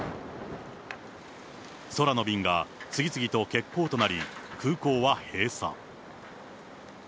空の便が次々と欠航となり、空港は閉鎖。